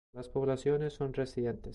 Las poblaciones son residentes.